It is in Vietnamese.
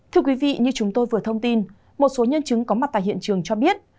thưa quý vị như chúng tôi vừa thông tin một số nhân chứng có mặt tại hiện trường cho biết